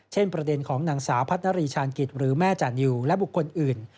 ประเด็นของนางสาวพัฒนารีชาญกิจหรือแม่จานิวและบุคคลอื่น